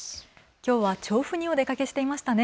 きょうは調布にお出かけしていましたね。